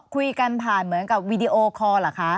อ๋อคุยกันผ่านเหมือนกับวีดีโอคอล่ะคะ